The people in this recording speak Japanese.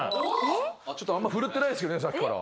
あんま振るってないですけどねさっきから。